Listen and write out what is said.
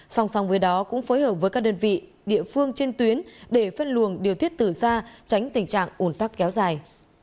song song với đó cũng phối hợp với các đơn vị địa phương trên tuyến để phân luồng điều thuyết tử ra tránh tình trạng ổn tắc kéo dài